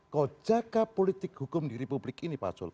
kau jaga politik hukum di republik ini pakcul